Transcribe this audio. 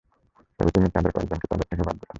তবে তিনি তাদের কয়েকজনকে তাদের থেকে বাদ দিলেন।